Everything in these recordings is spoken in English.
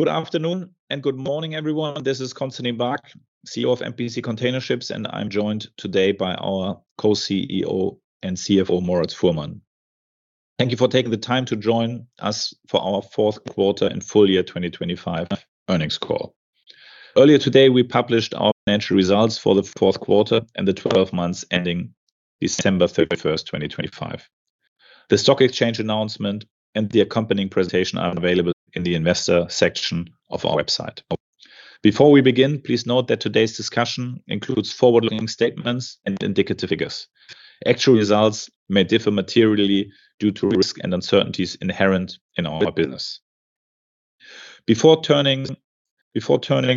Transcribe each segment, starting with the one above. Good afternoon and good morning, everyone. This is Constantin Baack, CEO of MPC Container Ships, and I'm joined today by our co-CEO and CFO, Moritz Fuhrmann. Thank you for taking the time to join us for our Fourth Quarter and Full Year 2025 Earnings Call. Earlier today, we published our financial results for the fourth quarter and the 12 months ending December 31st, 2025. The Stock Exchange announcement and the accompanying presentation are available in the Investor Section of our website. Before turning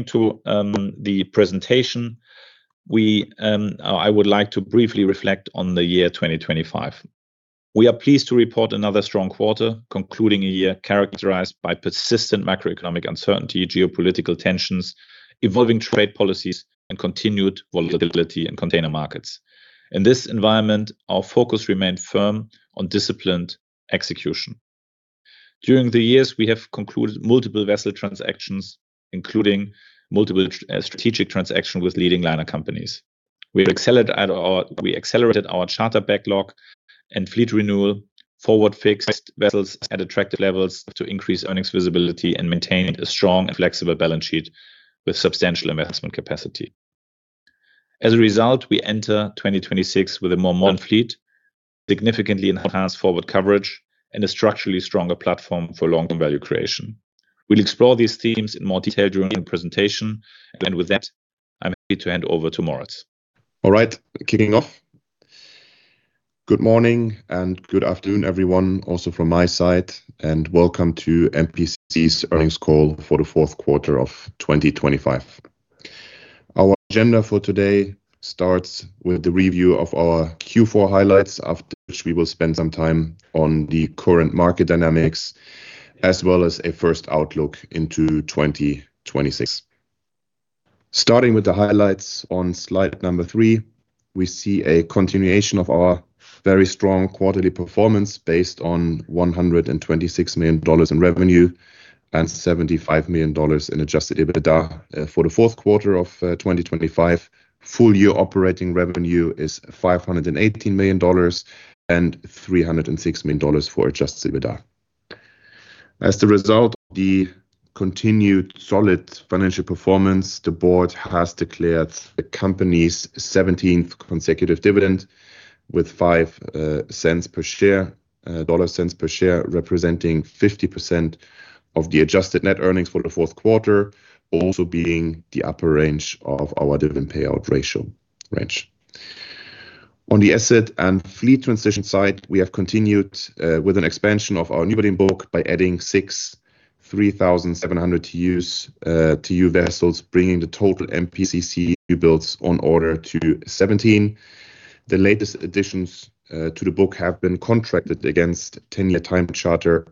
to the presentation, I would like to briefly reflect on the year 2025. We are pleased to report another strong quarter, concluding a year characterized by persistent macroeconomic uncertainty, geopolitical tensions, evolving trade policies, and continued volatility in container markets. In this environment, our focus remained firm on disciplined execution. During the years, we have concluded multiple vessel transactions, including multiple strategic transaction with leading liner companies. We accelerated our charter backlog and fleet renewal, forward-fixed vessels at attractive levels to increase earnings visibility, and maintained a strong and flexible balance sheet with substantial investment capacity. As a result, we enter 2026 with a more modern fleet, significantly enhanced forward coverage, and a structurally stronger platform for long-term value creation. We'll explore these themes in more detail during the presentation, and with that, I'm happy to hand over to Moritz. All right, kicking off. Good morning and good afternoon, everyone, also from my side, welcome to MPCC's Earnings Call for the Fourth Quarter of 2025. Our agenda for today starts with the review of our Q4 highlights, after which we will spend some time on the current market dynamics, as well as a first outlook into 2026. Starting with the highlights on slide number three, we see a continuation of our very strong quarterly performance based on $126 million in revenue, $75 million in Adjusted EBITDA for the fourth quarter of 2025. Full year operating revenue is $518 million, $306 million for Adjusted EBITDA. As the result of the continued solid financial performance, the board has declared the company's 17th consecutive dividend with $0.05 per share, dollar cents per share, representing 50% of the adjusted net earnings for the fourth quarter, also being the upper range of our dividend payout ratio range. On the asset and fleet transition side, we have continued with an expansion of our newbuilding book by adding six 3,700 TEU vessels, bringing the total MPCC new builds on order to 17. The latest additions to the book have been contracted against 10-year time charter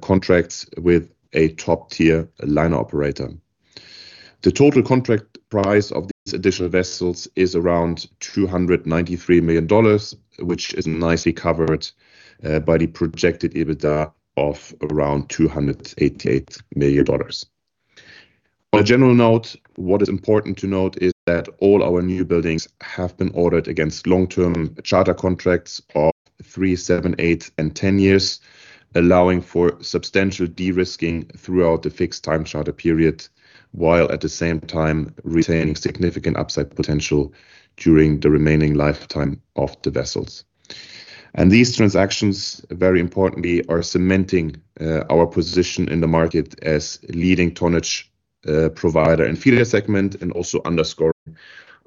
contracts with a top-tier liner operator. The total contract price of these additional vessels is around $293 million, which is nicely covered by the projected EBITDA of around $288 million. On a general note, what is important to note is that all our new buildings have been ordered against long-term charter contracts of three, seven, eight, and 10 years, allowing for substantial de-risking throughout the fixed time charter period, while at the same time retaining significant upside potential during the remaining lifetime of the vessels. These transactions, very importantly, are cementing our position in the market as leading tonnage provider and feeder segment, and also underscore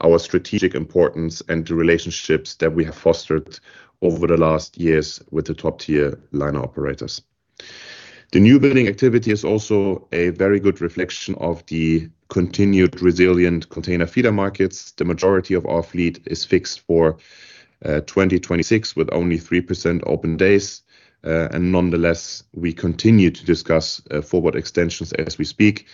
our strategic importance and the relationships that we have fostered over the last years with the top-tier liner operators. The new building activity is also a very good reflection of the continued resilient container feeder markets. The majority of our fleet is fixed for 2026, with only 3% open days. Nonetheless, we continue to discuss forward extensions as we speak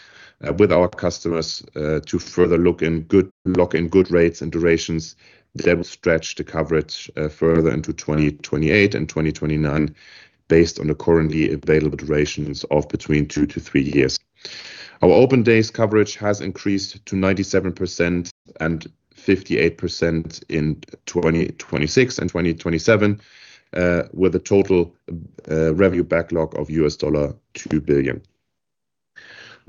with our customers to further lock in good rates and durations that will stretch the coverage further into 2028 and 2029, based on the currently available durations of between two to three years. Our open days coverage has increased to 97% and 58% in 2026 and 2027 with a total revenue backlog of $2 billion.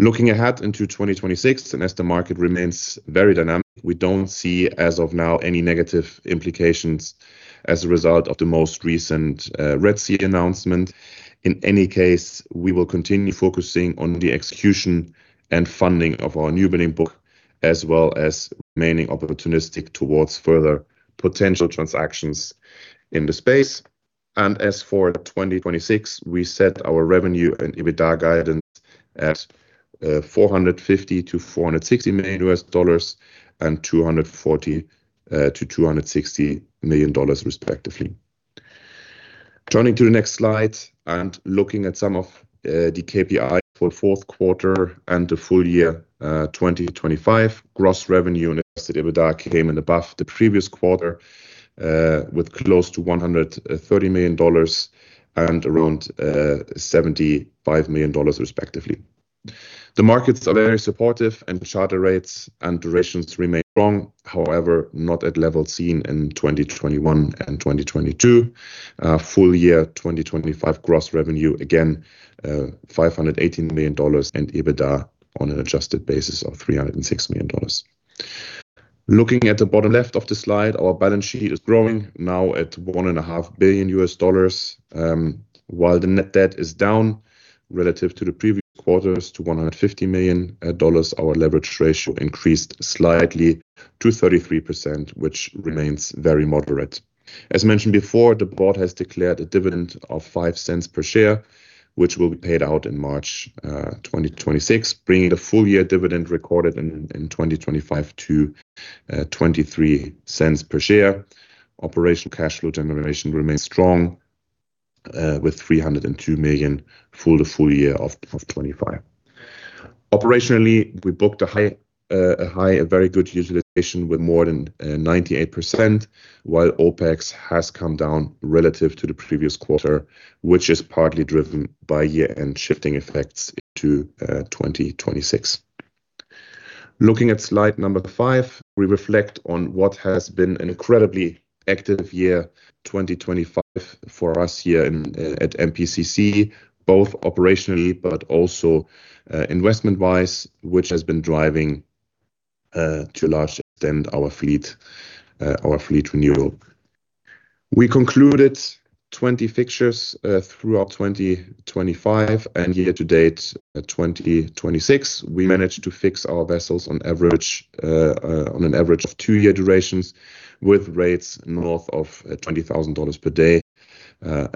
Looking ahead into 2026, as the market remains very dynamic, we don't see, as of now, any negative implications as a result of the most recent Red Sea announcement. In any case, we will continue focusing on the execution and funding of our new building book, as well as remaining opportunistic towards further potential transactions in the space. As for 2026, we set our revenue and EBITDA guidance at $450 million-$460 million, and $240 million-$260 million, respectively. Turning to the next slide and looking at some of the KPI for fourth quarter and the full year 2025, gross revenue and adjusted EBITDA came in above the previous quarter, with close to $130 million and around $75 million, respectively. The markets are very supportive, and charter rates and durations remain strong. However, not at levels seen in 2021 and 2022. Full year 2025 gross revenue, again, $518 million, and EBITDA on an adjusted basis of $306 million. Looking at the bottom left of the slide, our balance sheet is growing now at $1.5 billion. While the net-debt is down relative to the previous quarters to $150 million, our leverage ratio increased slightly to 33%, which remains very moderate. As mentioned before, the board has declared a dividend of $0.05 per share, which will be paid out in March 2026, bringing the full year dividend recorded in 2025 to $0.23 per share. Operational cash flow generation remains strong, with $302 million for the full year 2025. Operationally, we booked a high, a very good utilization with more than 98%, while OpEx has come down relative to the previous quarter, which is partly driven by year-end shifting effects into 2026. Looking at slide number five, we reflect on what has been an incredibly active year, 2025, for us here at MPCC, both operationally but also investment-wise, which has been driving to a large extent, our fleet renewal. We concluded 20 fixtures throughout 2025 and year to date, 2026. We managed to fix our vessels on an average of two-year durations, with rates north of $20,000 per day.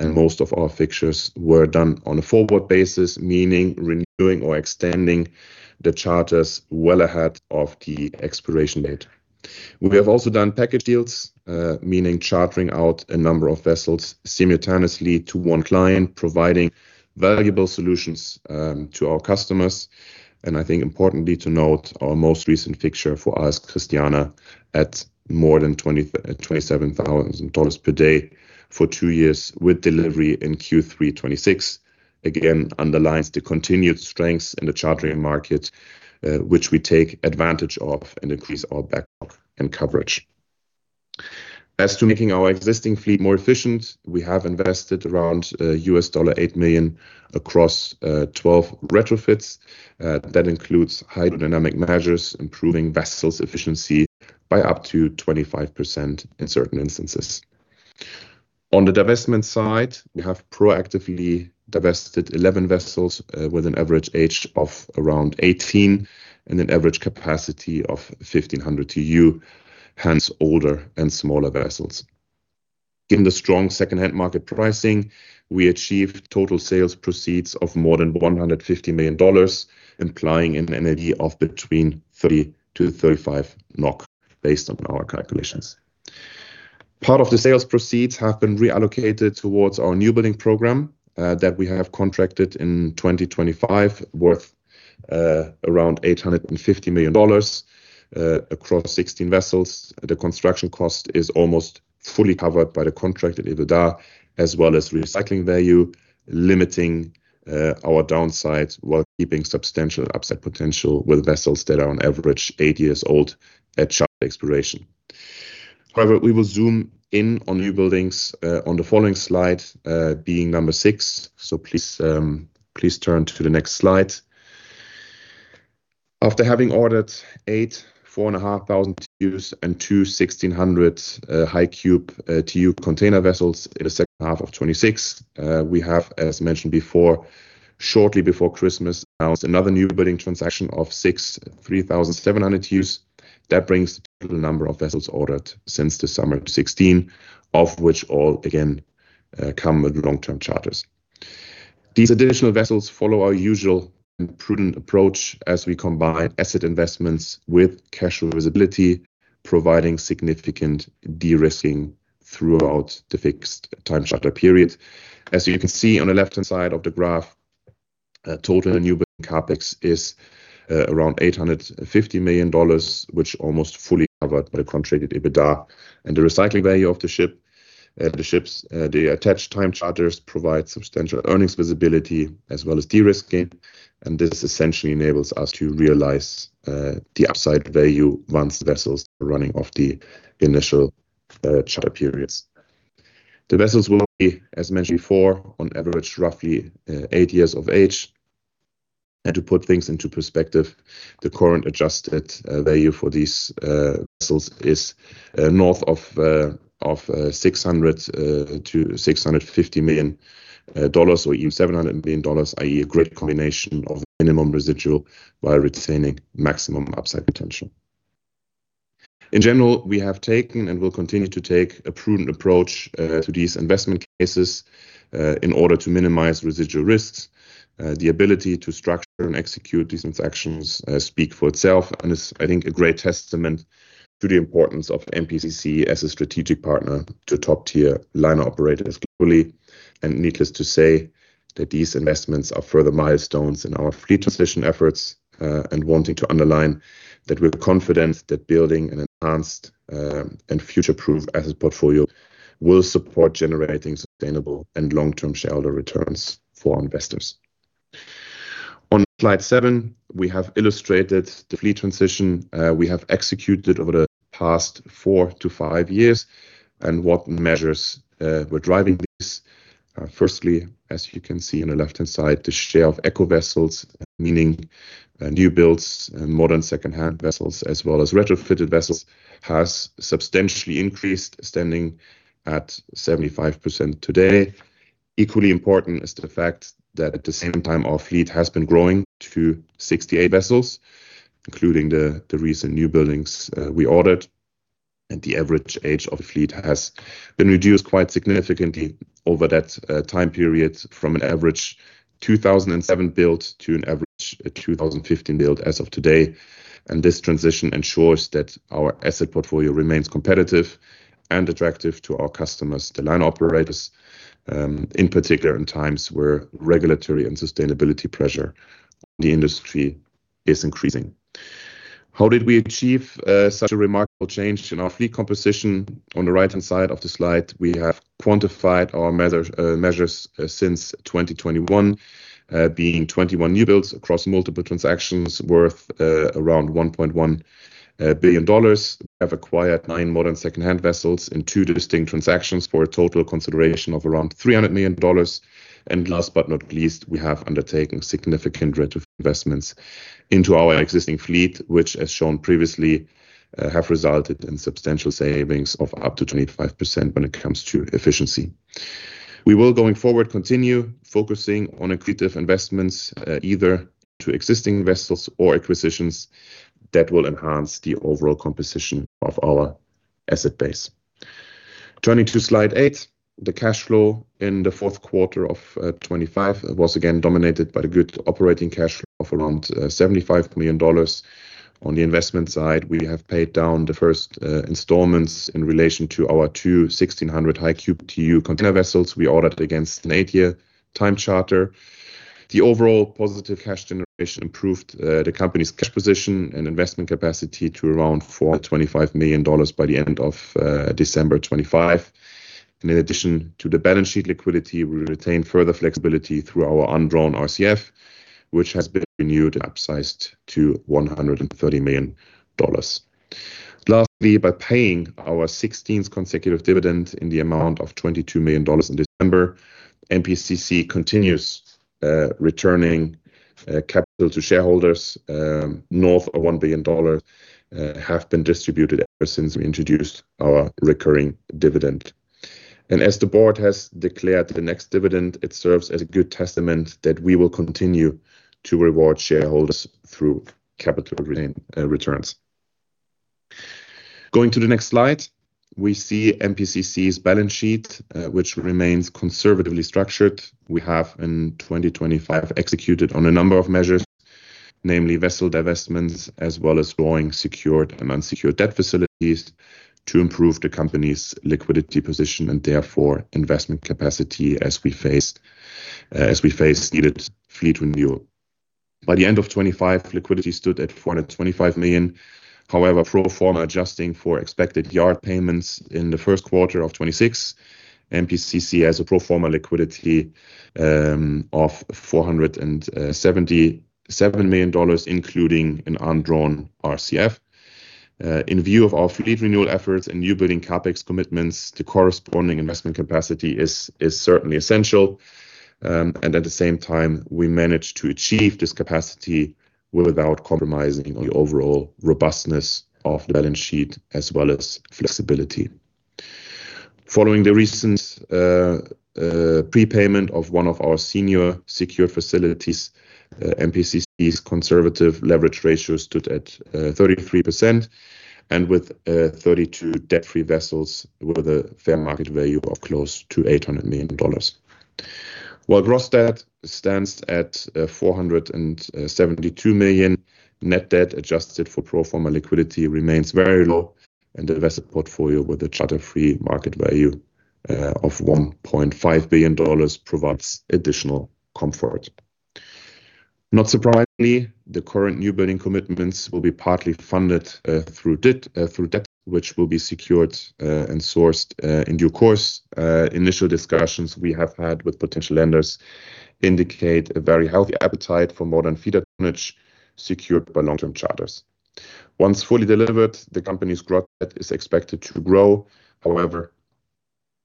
Most of our fixtures were done on a forward basis, meaning renewing or extending the charters well ahead of the expiration date. We have also done package deals, meaning chartering out a number of vessels simultaneously to one client, providing valuable solutions to our customers. I think importantly to note, our most recent fixture for AS Christiana, at more than $27,000 per day for two years, with delivery in Q3 2026, again, underlines the continued strength in the chartering market, which we take advantage of and increase our backlog and coverage. As to making our existing fleet more efficient, we have invested around $8 million across 12 retrofits. That includes hydrodynamic measures, improving vessels' efficiency by up to 25% in certain instances. On the divestment side, we have proactively divested 11 vessels, with an average age of around 18 and an average capacity of 1,500 TEU, hence older and smaller vessels. Given the strong secondhand market pricing, we achieved total sales proceeds of more than $150 million, implying an NAV of between 30- 35 NOK, based on our calculations. Part of the sales proceeds have been reallocated towards our new building program that we have contracted in 2025, worth around $850 million across 16 vessels. The construction cost is almost fully covered by the Contracted EBITDA, as well as recycling value, limiting our downside while keeping substantial upside potential with vessels that are on average eight years old at charter expiration. We will zoom in on new buildings on the following slide, being number six. Please turn to the next slide. After having ordered eight 4,500 TEUs and two 1,600 high cube TEU container vessels in the second half of 2026, we have, as mentioned before, shortly before Christmas, announced another new building transaction of six 3,700 TEUs. That brings the total number of vessels ordered since the summer to 16, of which all again come with long-term charters. These additional vessels follow our usual and prudent approach as we combine asset investments with cash flow visibility, providing significant de-risking throughout the fixed time charter period. As you can see on the left-hand side of the graph, total new building CapEx is around $850 million, which almost fully covered by the Contracted EBITDA and the recycling value of the ships. The attached time charters provide substantial earnings visibility as well as de-risking, and this essentially enables us to realize the upside value once the vessels are running off the initial charter periods. The vessels will be, as mentioned before, on average, roughly, eight years of age. To put things into perspective, the current adjusted value for these vessels is north of $600 million-$650 million, or even $700 million, i.e., a great combination of minimum residual while retaining maximum upside potential. In general, we have taken and will continue to take a prudent approach to these investment cases in order to minimize residual risks. The ability to structure and execute these transactions speak for itself and is, I think, a great testament to the importance of MPCC as a strategic partner to top-tier liner operators globally. Needless to say, that these investments are further milestones in our fleet transition efforts, and wanting to underline that we're confident that building an enhanced and future-proof asset portfolio will support generating sustainable and long-term shareholder returns for our investors. On slide seven, we have illustrated the fleet transition we have executed over the past four to five years and what measures were driving this. Firstly, as you can see on the left-hand side, the share of eco vessels, meaning new builds and modern second-hand vessels, as well as retrofitted vessels, has substantially increased, standing at 75% today. Equally important is the fact that at the same time, our fleet has been growing to 68 vessels, including the recent new buildings we ordered, and the average age of the fleet has been reduced quite significantly over that time period, from an average 2007 build to an average 2015 build as of today. This transition ensures that our asset portfolio remains competitive and attractive to our customers, the line operators, in particular, in times where regulatory and sustainability pressure on the industry is increasing. How did we achieve such a remarkable change in our fleet composition? On the right-hand side of the slide, we have quantified our measures since 2021, being 21 new builds across multiple transactions worth around $1.1 billion. We have acquired nine modern second-hand vessels in two distinct transactions for a total consideration of around $300 million. Last but not least, we have undertaken significant rate of investments into our existing fleet, which, as shown previously, have resulted in substantial savings of up to 25% when it comes to efficiency. We will, going forward, continue focusing on accretive investments, either to existing vessels or acquisitions that will enhance the overall composition of our asset base. Turning to slide eight, the cash flow in the fourth quarter of 2025 was again dominated by the good Operating Cash Flow of around $75 million. On the investment side, we have paid down the first installments in relation to our two 1,600 high cube TEU container vessels we ordered against an eight-year time charter. The overall positive cash generation improved the company's cash position and investment capacity to around $425 million by the end of December 25. In addition to the balance sheet liquidity, we retained further flexibility through our undrawn RCF, which has been renewed and upsized to $130 million. Lastly, by paying our 16th consecutive dividend in the amount of $22 million in December, MPCC continues returning capital to shareholders. North of $1 billion have been distributed ever since we introduced our recurring dividend. As the board has declared the next dividend, it serves as a good testament that we will continue to reward shareholders through capital return returns. Going to the next slide, we see MPCC's balance sheet, which remains conservatively structured. We have, in 2025, executed on a number of measures, namely vessel divestments, as well as growing secured and unsecured debt facilities to improve the company's liquidity position and therefore, investment capacity as we face needed fleet renewal. By the end of 2025, liquidity stood at $425 million. Pro forma, adjusting for expected yard payments in the first quarter of 2026, MPCC has a pro forma liquidity of $477 million, including an undrawn RCF. In view of our fleet renewal efforts and new building CapEx commitments, the corresponding investment capacity is certainly essential. At the same time, we managed to achieve this capacity without compromising on the overall robustness of the balance sheet as well as flexibility. Following the recent prepayment of one of our senior secured facilities, MPCC's conservative leverage ratio stood at 33%, and with 32 debt-free vessels with a fair market value of close to $800 million. While gross debt stands at $472 million, net-debt-adjusted for pro forma liquidity remains very low, and the asset portfolio with a charter-free market value of $1.5 billion provides additional comfort. Not surprisingly, the current new building commitments will be partly funded through debt, which will be secured and sourced in due course. Initial discussions we have had with potential lenders indicate a very healthy appetite for modern feeder tonnage, secured by long-term charters. Once fully delivered, the company's growth is expected to grow.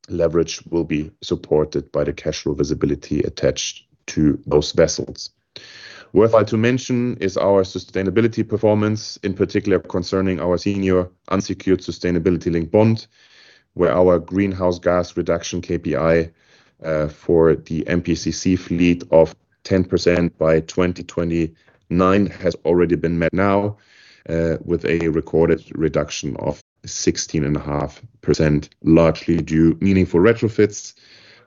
Leverage will be supported by the cash flow visibility attached to those vessels. Worthwhile to mention is our sustainability performance, in particular, concerning our senior unsecured sustainability-linked bond, where our Greenhouse Gas Reduction KPI for the MPCC fleet of 10% by 2029 has already been met now with a recorded reduction of 16.5%, largely due meaningful retrofits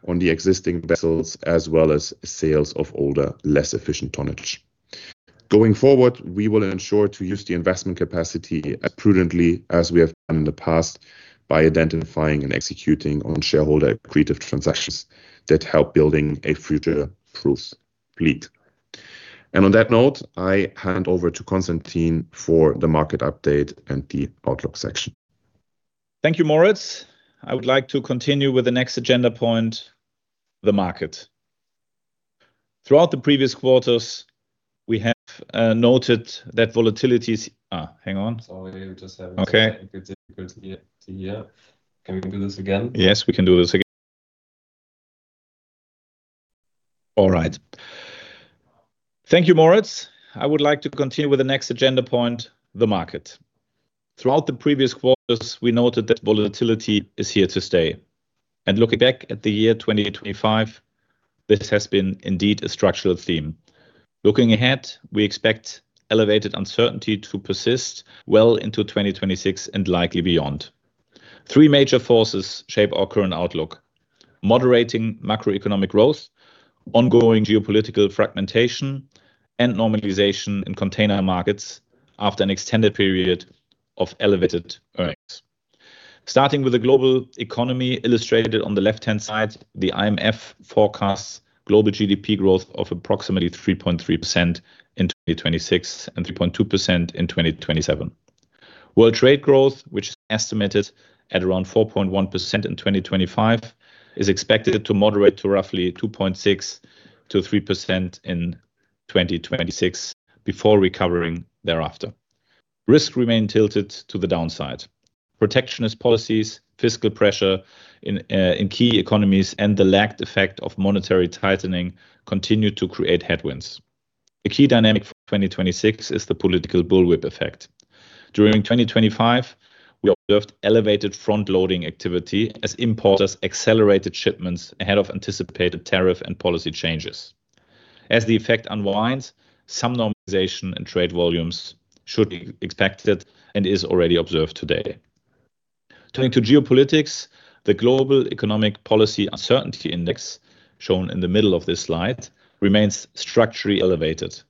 on the existing vessels, as well as sales of older, less efficient tonnage. Going forward, we will ensure to use the investment capacity as prudently as we have done in the past, by identifying and executing on shareholder accretive transactions that help building a future-proof fleet. On that note, I hand over to Constantin for the market update and the outlook section. Thank you, Moritz. I would like to continue with the next agenda point, the market. Throughout the previous quarters, we have noted that volatility is--. Hang on. Sorry, we just. Okay. difficulty to hear. Can we do this again? Yes, we can do this again. All right. Thank you, Moritz. I would like to continue with the next agenda point, the market. Throughout the previous quarters, we noted that volatility is here to stay, and looking back at the year 2025, this has been indeed a structural theme. Looking ahead, we expect elevated uncertainty to persist well into 2026 and likely beyond. Three major forces shape our current outlook: moderating macroeconomic growth, ongoing geopolitical fragmentation, and normalization in container markets after an extended period of elevated earnings. Starting with the global economy, illustrated on the left-hand side, the IMF forecasts global GDP growth of approximately 3.3% in 2026, and 3.2% in 2027. World trade growth, which is estimated at around 4.1% in 2025, is expected to moderate to roughly 2.6%-3% in 2026, before recovering thereafter. Risks remain tilted to the downside. Protectionist policies, fiscal pressure in key economies, and the lagged effect of monetary tightening continue to create headwinds. A key dynamic for 2026 is the political bullwhip effect. During 2025, we observed elevated front-loading activity as importers accelerated shipments ahead of anticipated tariff and policy changes. As the effect unwinds, some normalization in trade volumes should be expected and is already observed today. Turning to geopolitics, the Global Economic Policy Uncertainty Index, shown in the middle of this slide, remains structurally elevated.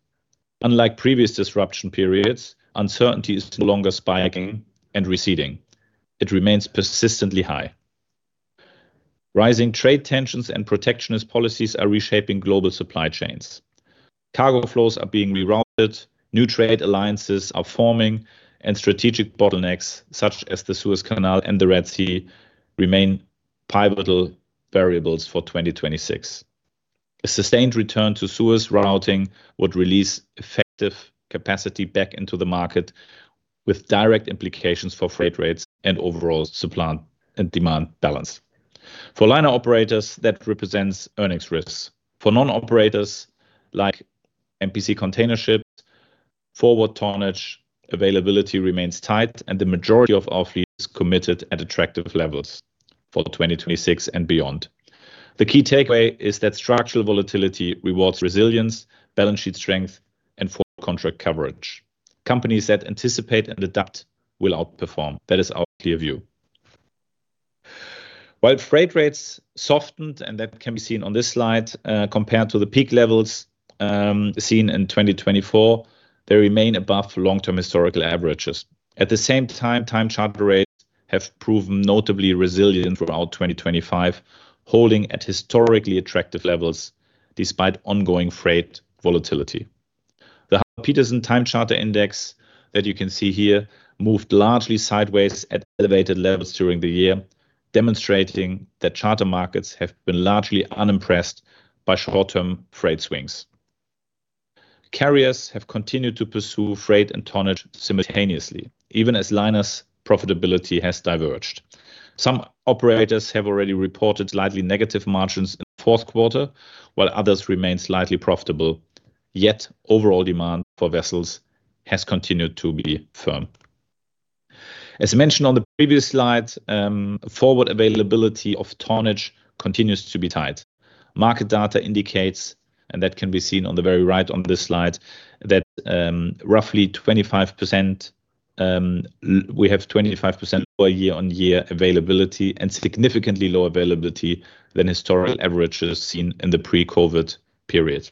Unlike previous disruption periods, uncertainty is no longer spiking and receding. It remains persistently high. Rising trade tensions and protectionist policies are reshaping global supply chains. Cargo flows are being rerouted, new trade alliances are forming, and strategic bottlenecks, such as the Suez Canal and the Red Sea, remain pivotal variables for 2026. A sustained return to Suez routing would release effective capacity back into the market, with direct implications for freight rates and overall supply and demand balance. For liner operators, that represents earnings risks. For non-operators, like MPC Container Ships, forward tonnage availability remains tight and the majority of our fleet is committed at attractive levels for 2026 and beyond. The key takeaway is that structural volatility rewards resilience, balance sheet strength, and full contract coverage. Companies that anticipate and adapt will outperform. That is our clear view. While freight rates softened, and that can be seen on this slide, compared to the peak levels, seen in 2024, they remain above long-term historical averages. At the same time charter rates have proven notably resilient throughout 2025, holding at historically attractive levels despite ongoing freight volatility. The Harper Petersen Time Charter Index, that you can see here, moved largely sideways at elevated levels during the year, demonstrating that charter markets have been largely unimpressed by short-term freight swings. Carriers have continued to pursue freight and tonnage simultaneously, even as liner's profitability has diverged. Some operators have already reported slightly negative margins in the fourth quarter, while others remain slightly profitable, yet overall demand for vessels has continued to be firm. As mentioned on the previous slide, forward availability of tonnage continues to be tight. Market data indicates that can be seen on the very right on this slide, that roughly 25% we have 25% year-on-year availability, and significantly lower availability than historical averages seen in the pre-COVID period.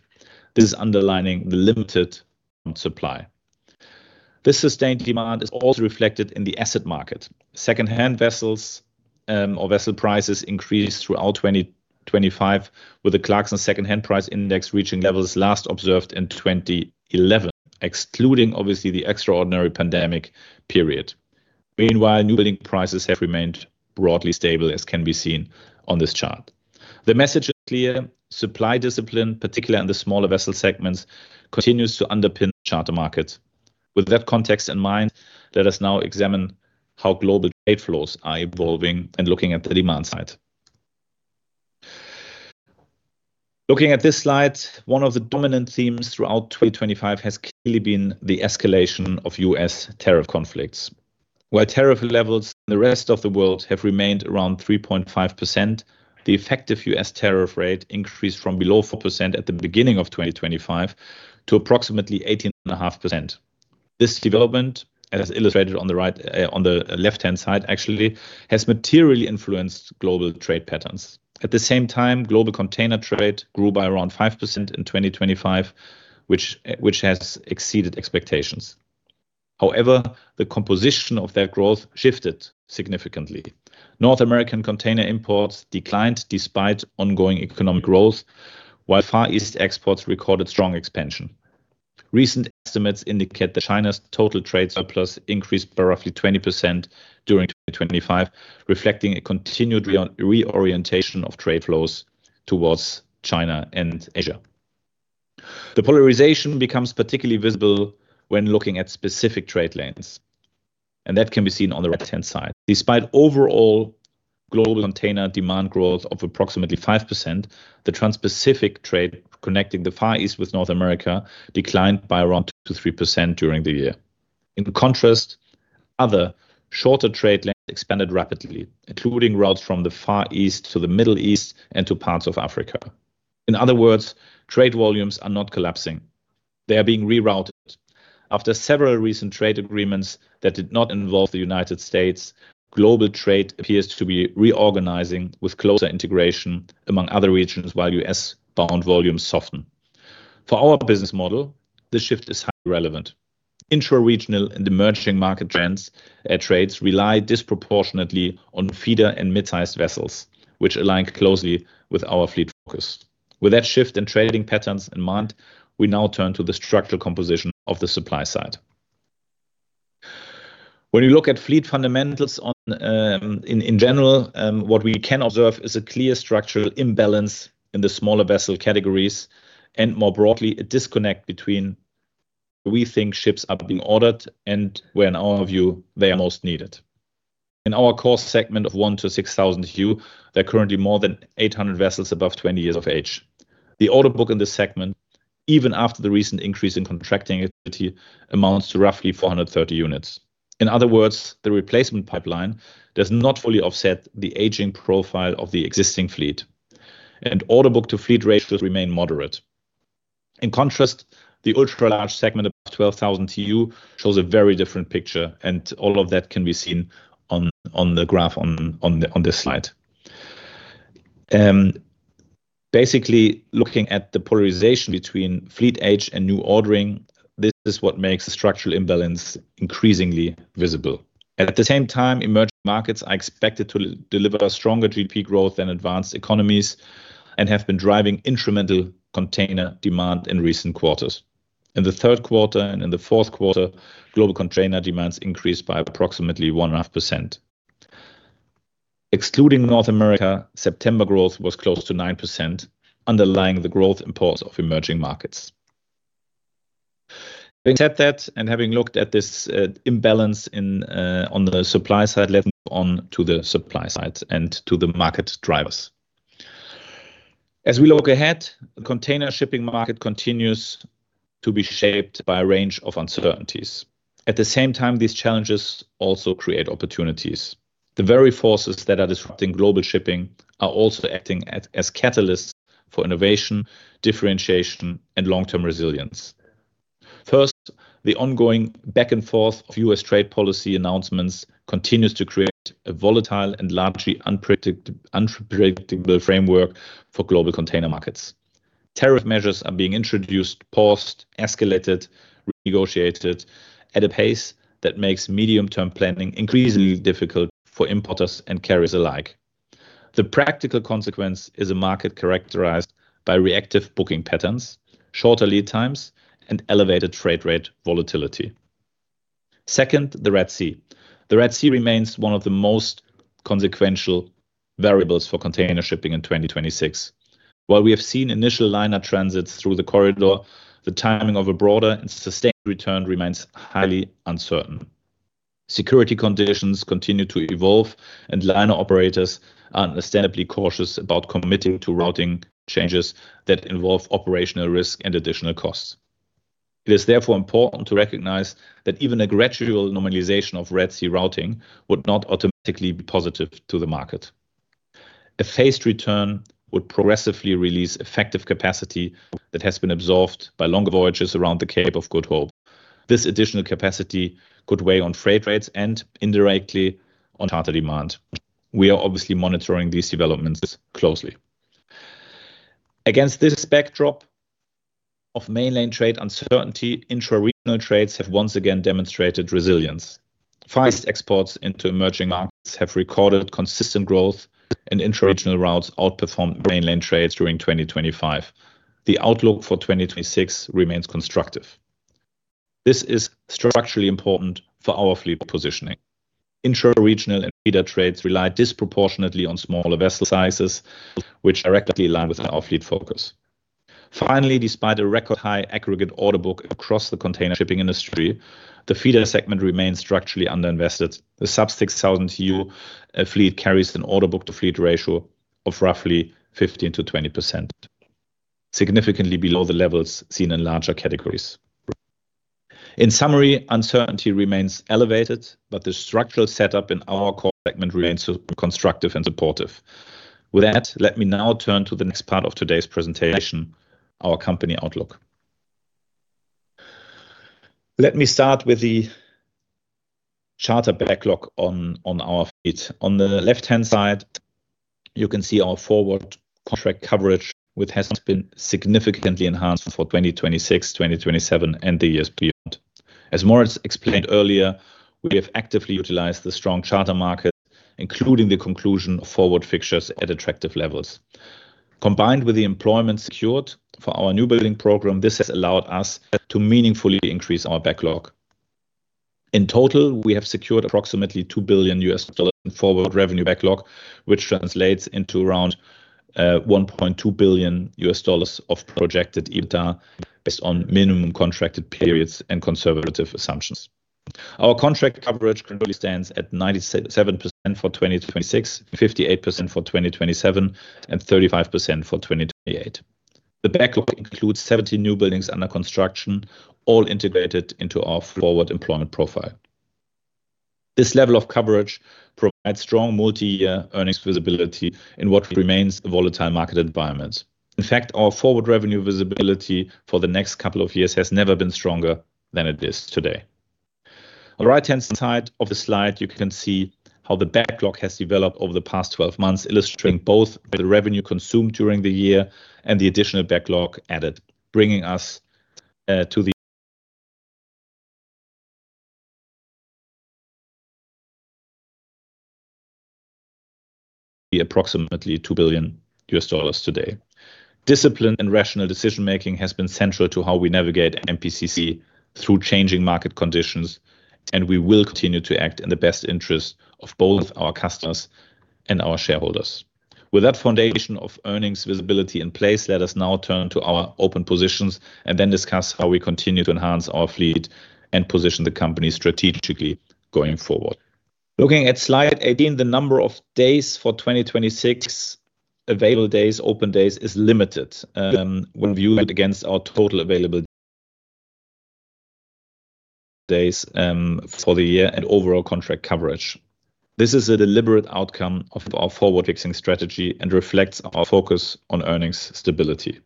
This is underlining the limited supply. This sustained demand is also reflected in the asset market. Secondhand vessels, or vessel prices increased throughout 2025, with the Clarksons Secondhand Price Index reaching levels last observed in 2011, excluding, obviously, the extraordinary pandemic period. Meanwhile, new building prices have remained broadly stable, as can be seen on this chart. The message is clear: supply discipline, particularly in the smaller vessel segments, continues to underpin the charter market. With that context in mind, let us now examine how global trade flows are evolving and looking at the demand side. Looking at this slide, one of the dominant themes throughout 2025 has clearly been the escalation of U.S. tariff conflicts, where tariff levels in the rest of the world have remained around 3.5%. The effective U.S. tariff rate increased from below 4% at the beginning of 2025 to approximately 18.5%. This development, as illustrated on the right, on the left-hand side, actually, has materially influenced global trade patterns. At the same time, global container trade grew by around 5% in 2025, which has exceeded expectations. The composition of that growth shifted significantly. North American container imports declined despite ongoing economic growth, while Far East exports recorded strong expansion.... Recent estimates indicate that China's total trade surplus increased by roughly 20% during 2025, reflecting a continued reorientation of trade flows towards China and Asia. The polarization becomes particularly visible when looking at specific trade lanes, that can be seen on the right-hand side. Despite overall global container demand growth of approximately 5%, the Transpacific trade connecting the Far East with North America declined by around 2%-3% during the year. In contrast, other shorter trade lanes expanded rapidly, including routes from the Far East to the Middle East and to parts of Africa. In other words, trade volumes are not collapsing. They are being rerouted. After several recent trade agreements that did not involve the United States, global trade appears to be reorganizing with closer integration among other regions, while U.S.-bound volumes soften. For our business model, this shift is highly relevant. Intra-regional and emerging market trends at trades rely disproportionately on feeder and mid-sized vessels, which align closely with our fleet focus. With that shift in trading patterns in mind, we now turn to the structural composition of the supply side. When you look at fleet fundamentals in general, what we can observe is a clear structural imbalance in the smaller vessel categories, and more broadly, a disconnect between where we think ships are being ordered and where, in our view, they are most needed. In our core segment of 1 to 6,000 TEU, there are currently more than 800 vessels above 20 years of age. The order book in this segment, even after the recent increase in contracting activity, amounts to roughly 430 units. In other words, the replacement pipeline does not fully offset the aging profile of the existing fleet, and order book-to-fleet ratios remain moderate. In contrast, the ultra large segment of 12,000 TEU shows a very different picture, and all of that can be seen on the graph on this slide. Basically, looking at the polarization between fleet age and new ordering, this is what makes the structural imbalance increasingly visible. At the same time, emerging markets are expected to deliver stronger GDP growth than advanced economies and have been driving incremental container demand in recent quarters. In the third quarter and in the fourth quarter, global container demands increased by approximately 1.5%. Excluding North America, September growth was close to 9%, underlying the growth imports of emerging markets. Having said that, and having looked at this imbalance in on the supply side, let's move on to the supply side and to the market drivers. As we look ahead, the container shipping market continues to be shaped by a range of uncertainties. At the same time, these challenges also create opportunities. The very forces that are disrupting global shipping are also acting as catalysts for innovation, differentiation, and long-term resilience. First, the ongoing back and forth of U.S. Trade Policy announcements continues to create a volatile and largely unpredictable framework for global container markets. Tariff measures are being introduced, paused, escalated, renegotiated at a pace that makes medium-term planning increasingly difficult for importers and carriers alike. The practical consequence is a market characterized by reactive booking patterns, shorter lead times, and elevated freight rate volatility. Second, the Red Sea. The Red Sea remains one of the most consequential variables for container shipping in 2026. While we have seen initial liner transits through the corridor, the timing of a broader and sustained return remains highly uncertain. Security conditions continue to evolve, and liner operators are understandably cautious about committing to routing changes that involve operational risk and additional costs. It is therefore important to recognize that even a gradual normalization of Red Sea routing would not automatically be positive to the market. A phased return would progressively release effective capacity that has been absorbed by longer voyages around the Cape of Good Hope. This additional capacity could weigh on freight rates and indirectly on charter demand. We are obviously monitoring these developments closely. Against this backdrop of mainland trade uncertainty, intra-regional trades have once again demonstrated resilience. Far East exports into emerging markets have recorded consistent growth, intra-regional routes outperformed mainland trades during 2025. The outlook for 2026 remains constructive. This is structurally important for our fleet positioning. Intra-regional and feeder trades rely disproportionately on smaller vessel sizes, which directly align with our fleet focus. Finally, despite a record high aggregate order book across the container shipping industry, the feeder segment remains structurally underinvested. The sub 6,000 TEU fleet carries an order book-to-fleet ratio of roughly 15%-20%, significantly below the levels seen in larger categories. In summary, uncertainty remains elevated, the structural setup in our core segment remains constructive and supportive. With that, let me now turn to the next part of today's presentation, our company outlook. Let me start with the charter backlog on our fleet. On the left-hand side, you can see our forward contract coverage, which has been significantly enhanced for 2026, 2027, and the years beyond. As Moritz explained earlier, we have actively utilized the strong charter market, including the conclusion of forward fixtures at attractive levels. Combined with the employment secured for our new building program, this has allowed us to meaningfully increase our backlog. In total, we have secured approximately $2 billion in forward revenue backlog, which translates into around $1.2 billion of Projected EBITDA, based on minimum contracted periods and conservative assumptions. Our contract coverage currently stands at 97% for 2026, 58% for 2027, and 35% for 2028. The backlog includes 70 new buildings under construction, all integrated into our forward employment profile. This level of coverage provides strong multi-year earnings visibility in what remains a volatile market environment. Our forward revenue visibility for the next couple of years has never been stronger than it is today. On the right-hand side of the slide, you can see how the backlog has developed over the past 12 months, illustrating both the revenue consumed during the year and the additional backlog added, bringing us approximately $2 billion today. Discipline and rational decision-making has been central to how we navigate MPCC through changing market conditions, and we will continue to act in the best interest of both our customers and our shareholders. With that foundation of earnings visibility in place, let us now turn to our open positions and then discuss how we continue to enhance our fleet and position the company strategically going forward. Looking at slide 18, the number of days for 2026, available days, open days, is limited, when viewed against our total available days for the year and overall contract coverage. This is a deliberate outcome of our forward-fixing strategy and reflects our focus on earnings stability.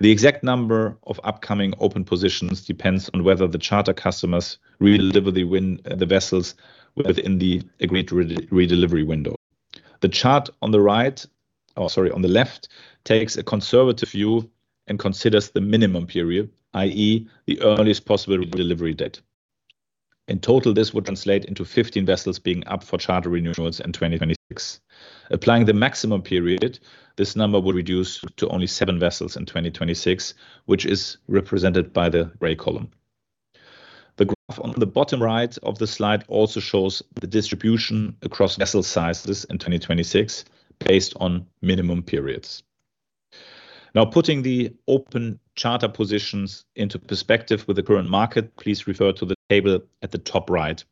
The exact number of upcoming open positions depends on whether the charter customers redeliver the vessels within the agreed redelivery window. The chart on the left takes a conservative view and considers the minimum period, i.e., the earliest possible delivery date. In total, this would translate into 15 vessels being up for charter renewals in 2026. Applying the maximum period, this number would reduce to only seven vessels in 2026, which is represented by the gray column. The graph on the bottom right of the slide also shows the distribution across vessel sizes in 2026, based on minimum periods. Now, putting the open charter positions into perspective with the current market, please refer to the table at the top right,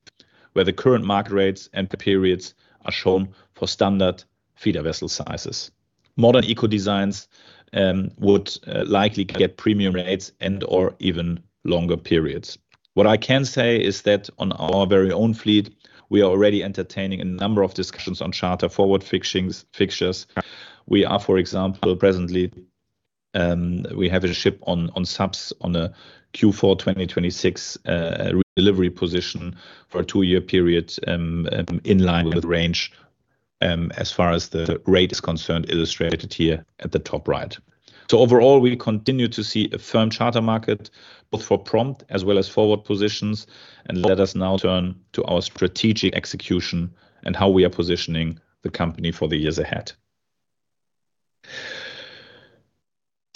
where the current market rates and the periods are shown for standard feeder vessel sizes. Modern eco designs would likely get premium rates and/or even longer periods. What I can say is that on our very own fleet, we are already entertaining a number of discussions on charter forward fixings, fixtures. We are, for example, presently, we have a ship on subs on a Q4 2026 delivery position for a two-year period, in line with the range as far as the rate is concerned, illustrated here at the top right. Overall, we continue to see a firm charter market, both for prompt as well as forward positions. Let us now turn to our strategic execution and how we are positioning the company for the years ahead.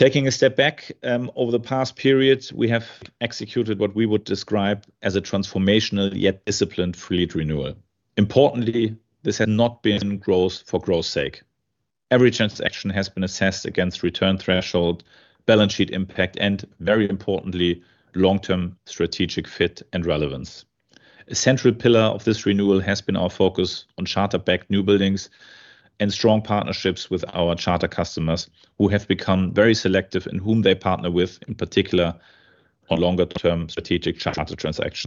Taking a step back, over the past periods, we have executed what we would describe as a transformational, yet disciplined, fleet renewal. Importantly, this has not been growth for growth's sake. Every transaction has been assessed against return threshold, balance sheet impact, and very importantly, long-term strategic fit and relevance. A central pillar of this renewal has been our focus on charter-backed new buildings and strong partnerships with our charter customers, who have become very selective in whom they partner with, in particular, on longer-term strategic charter transactions.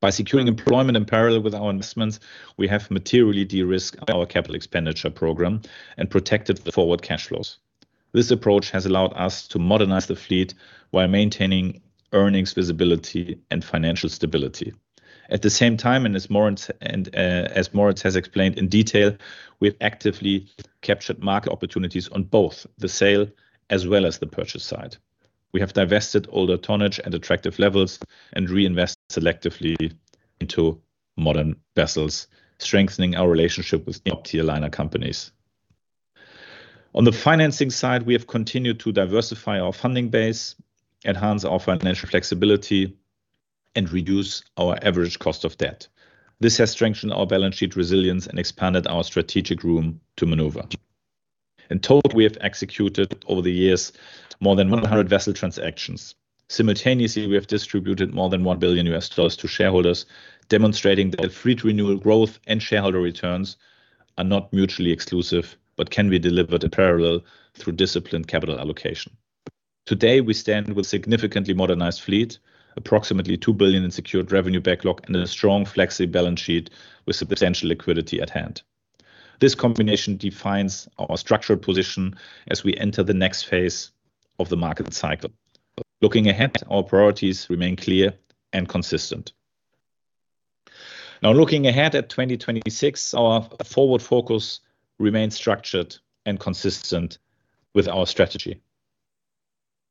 By securing employment in parallel with our investments, we have materially de-risked our capital expenditure program and protected the forward cash flows. This approach has allowed us to modernize the fleet while maintaining earnings, visibility, and financial stability. At the same time, and as Moritz has explained in detail, we've actively captured market opportunities on both the sale as well as the purchase side. We have divested older tonnage at attractive levels and reinvest selectively into modern vessels, strengthening our relationship with top-tier liner companies. On the financing side, we have continued to diversify our funding base, enhance our financial flexibility, and reduce our average cost of debt. This has strengthened our balance sheet resilience and expanded our strategic room to maneuver. In total, we have executed over the years, more than 100 vessel transactions. Simultaneously, we have distributed more than $1 billion to shareholders, demonstrating that fleet renewal, growth, and shareholder returns are not mutually exclusive, but can be delivered in parallel through disciplined capital allocation. Today, we stand with significantly modernized fleet, approximately $2 billion in secured revenue backlog, and a strong, flexible balance sheet with substantial liquidity at hand. This combination defines our structural position as we enter the next phase of the market cycle. Looking ahead, our priorities remain clear and consistent. Now, looking ahead at 2026, our forward focus remains structured and consistent with our strategy.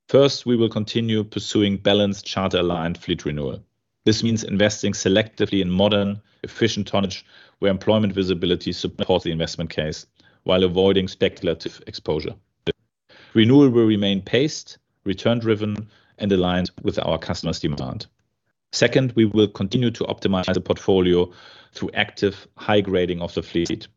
First, we will continue pursuing balanced charter-aligned fleet renewal. This means investing selectively in modern, efficient tonnage, where employment visibility support the investment case while avoiding speculative exposure. Renewal will remain paced, return-driven, and aligned with our customers' demand. Second, we will continue to optimize the portfolio through active high-grading of the fleet.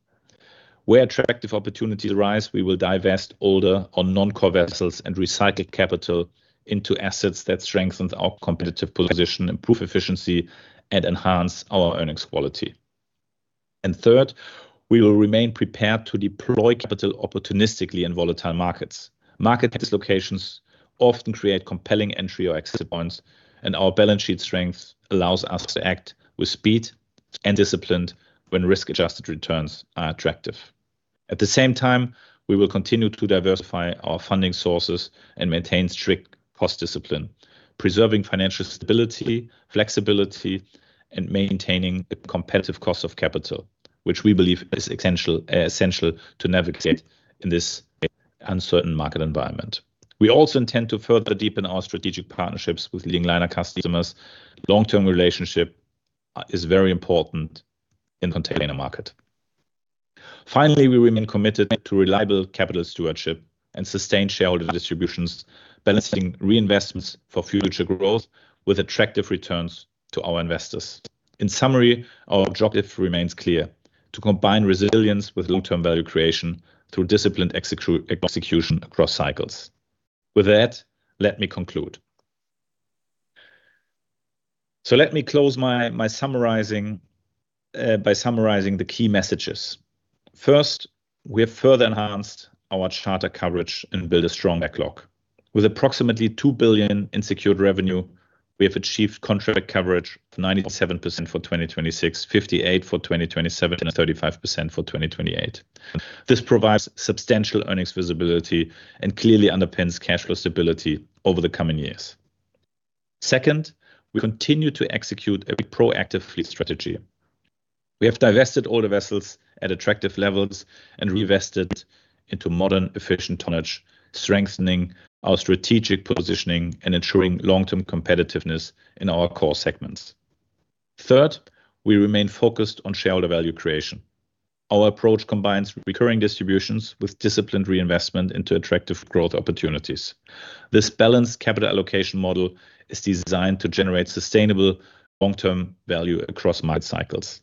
Where attractive opportunities arise, we will divest older or non-core vessels and recycle capital into assets that strengthen our competitive position, improve efficiency, and enhance our earnings quality. Third, we will remain prepared to deploy capital opportunistically in volatile markets. Market dislocations often create compelling entry or exit points, and our balance sheet strength allows us to act with speed and discipline when risk-adjusted returns are attractive. At the same time, we will continue to diversify our funding sources and maintain strict cost discipline, preserving financial stability, flexibility, and maintaining a competitive cost of capital, which we believe is essential to navigate in this uncertain market environment. We also intend to further deepen our strategic partnerships with leading liner customers. Long-term relationship, is very important in the container market. Finally, we remain committed to reliable capital stewardship and sustained shareholder distributions, balancing reinvestments for future growth with attractive returns to our investors. In summary, our objective remains clear: to combine resilience with long-term value creation through disciplined execution across cycles. With that, let me conclude. Let me close my summarizing by summarizing the key messages. First, we have further enhanced our charter coverage and built a strong backlog. With approximately $2 billion in secured revenue, we have achieved contract coverage of 97% for 2026, 58% for 2027, and 35% for 2028. This provides substantial earnings visibility and clearly underpins cash flow stability over the coming years. Second, we continue to execute a proactive fleet strategy. We have divested older vessels at attractive levels and reinvested into modern, efficient tonnage, strengthening our strategic positioning and ensuring long-term competitiveness in our core segments. Third, we remain focused on shareholder value creation. Our approach combines recurring distributions with disciplined reinvestment into attractive growth opportunities. This balanced capital allocation model is designed to generate sustainable long-term value across market cycles.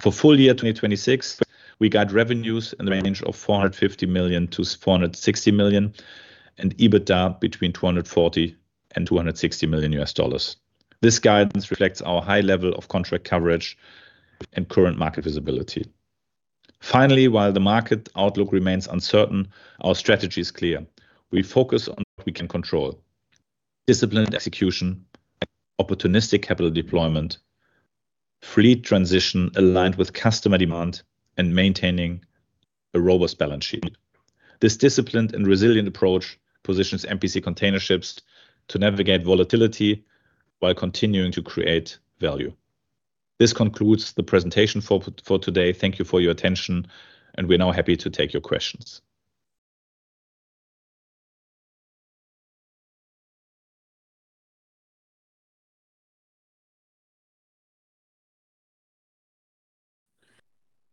For full year 2026, we guide revenues in the range of $450 million-$460 million, and EBITDA between $240 million and $260 million. This guidance reflects our high level of contract coverage and current market visibility. While the market outlook remains uncertain, our strategy is clear. We focus on what we can control: disciplined execution, opportunistic capital deployment, fleet transition aligned with customer demand, and maintaining a robust balance sheet. This disciplined and resilient approach positions MPC Container Ships to navigate volatility while continuing to create value. This concludes the presentation for today. Thank you for your attention. We're now happy to take your questions.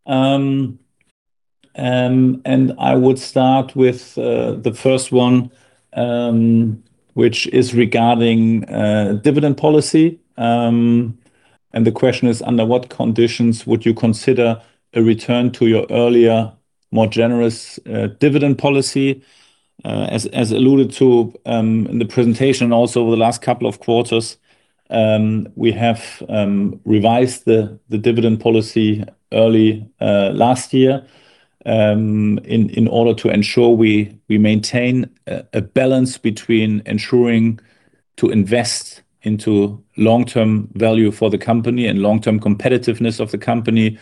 I would start with the first one, which is regarding dividend policy. The question is: Under what conditions would you consider a return to your earlier, more generous, dividend policy? As alluded to, in the presentation, also over the last couple of quarters, we have revised the dividend policy early last year, in order to ensure we maintain a balance between ensuring to invest into long-term value for the company and long-term competitiveness of the company,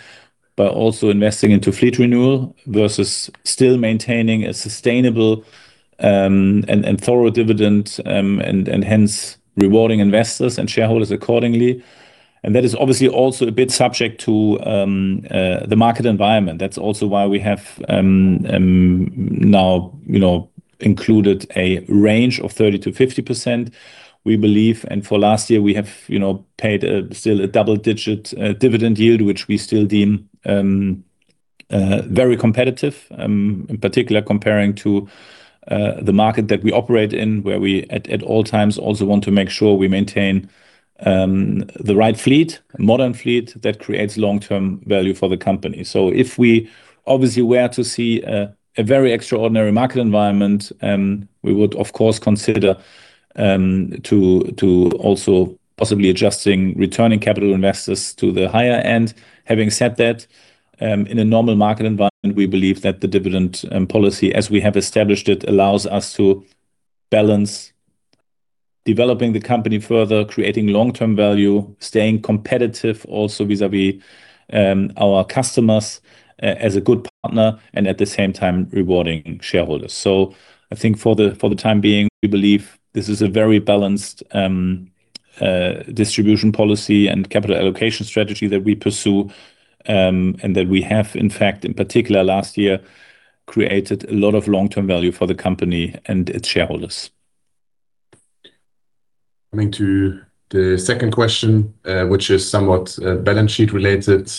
but also investing into fleet renewal versus still maintaining a sustainable, and thorough dividend, and hence rewarding investors and shareholders accordingly. That is obviously also a bit subject to the market environment. That's also why we have now, you know, included a range of 30%-50%, we believe. For last year, we have, you know, paid still a double-digit dividend yield, which we still deem very competitive in particular, comparing to the market that we operate in, where we at all times also want to make sure we maintain the right fleet, a modern fleet that creates long-term value for the company. If we obviously were to see a very extraordinary market environment, we would, of course, consider to also possibly adjusting returning capital investors to the higher end. Having said that, in a normal market environment, we believe that the dividend policy, as we have established it, allows us to balance developing the company further, creating long-term value, staying competitive, also vis-a-vis our customers as a good partner and at the same time rewarding shareholders. I think for the, for the time being, we believe this is a very balanced, distribution policy and capital allocation strategy that we pursue, and that we have, in fact, in particular last year, created a lot of long-term value for the company and its shareholders. Coming to the second question, which is somewhat balance sheet related.